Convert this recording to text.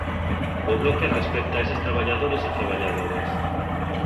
O Bloque respecta eses traballadores e traballadoras.